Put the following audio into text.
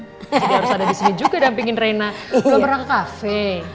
jadi harus ada di sini juga dampingin reina belum pernah ke kafe